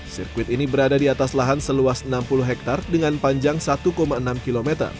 sirkuit ini berada di atas lahan seluas enam puluh hektare dengan panjang satu enam km